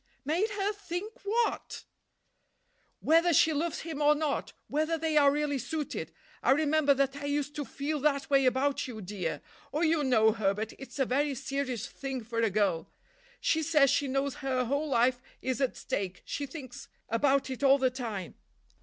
"Made her think what?" "Whether she loves him or not; whether they are really suited. I remember that I used to feel that way about you, dear. Oh, you know, Herbert, it's a very serious thing for a girl. She says she knows her whole life is at stake; she thinks about it all the time."